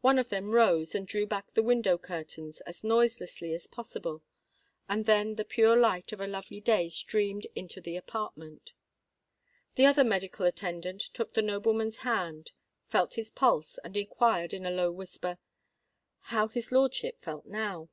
One of them rose and drew back the window curtains as noiselessly as possible; and then the pure light of a lovely day streamed into the apartment. The other medical attendant took the nobleman's hand, felt his pulse, and inquired in a low whisper "how his lordship felt now?"